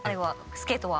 スケートは？